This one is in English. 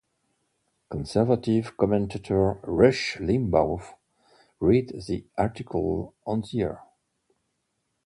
Conservative commentator Rush Limbaugh read the article on the air.